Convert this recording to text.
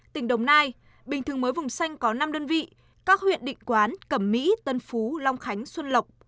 tỉnh đồng nai bình thường mới vùng xanh có năm đơn vị các huyện định quán cẩm mỹ tân phú long khánh xuân lộc